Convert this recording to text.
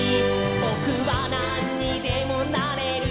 「ぼくはなんにでもなれる！」